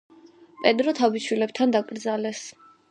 პედრო თავის შვილებთან დაკრძალეს.